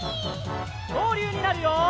きょうりゅうになるよ！